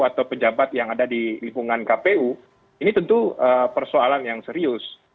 atau pejabat yang ada di lingkungan kpu ini tentu persoalan yang serius